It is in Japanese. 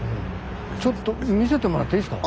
ちょっと見せてもらっていいですか？